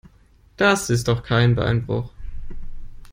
Das ist doch kein Beinbruch.